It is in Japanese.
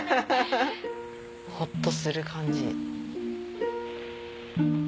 ホッとする感じ。